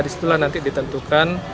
disitulah nanti ditentukan